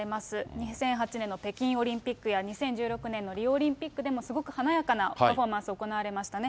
２００８年の北京オリンピックや２０１６年のリオオリンピックでも、すごく華やかなパフォーマンスが行われましたね。